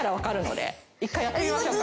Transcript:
１回やってみましょうか。